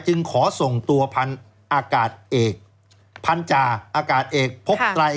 จึงขอส่งตัวพันธุ์อากาศเอกพันธาอากาศเอกพบไตร